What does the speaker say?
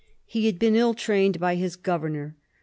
He had been ill trained by his governor.